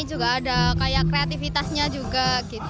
juga ada kreativitasnya juga